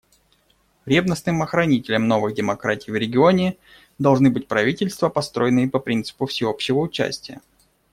Ревностным охранителем новых демократий в регионе должны быть правительства, построенные по принципу всеобщего участия.